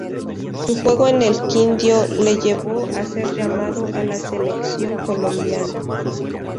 Su juego en el Quindio le llevó a ser llamado a la Selección Colombia.